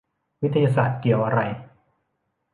วิทยาศาสตร์เกี่ยวอะไร ?